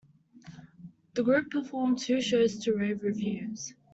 The group performed two shows to rave reviews.